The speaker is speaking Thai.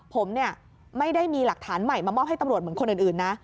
ผมไม่ได้มีหลักฐานใหม่มามอบให้ตำรวจเหมือนคนอื่นนะ